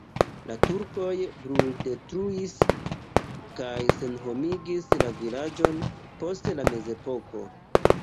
La turkoj bruldetruis kaj senhomigis la vilaĝon post la mezepoko.